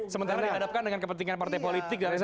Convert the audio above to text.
sementara dihadapkan dengan kepentingan partai politik